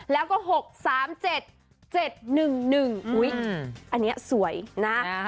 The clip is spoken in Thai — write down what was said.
แล้วก็หกสามเจ็ดเจ็ดหนึ่งหนึ่งอุ้ยอันเนี้ยสวยนะนะฮะ